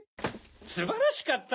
すばらしかった！